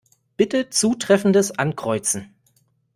Bitte Zutreffendes Ankreuzen.